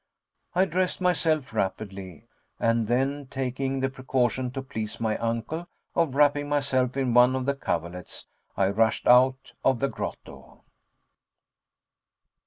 I dressed myself rapidly and then taking the precaution to please my uncle, of wrapping myself in one of the coverlets, I rushed out of the grotto.